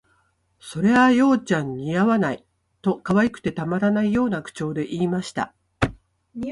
「それあ、葉ちゃん、似合わない」と、可愛くてたまらないような口調で言いました